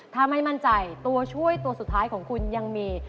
ถ้าไม่มั่นใจตัวช่วยตัวสุดท้ายของคุณยังมี